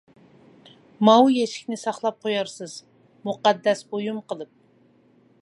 -ماۋۇ يەشىكىنى ساقلاپ قويارسىز مۇقەددەس بويۇم قىلىپ.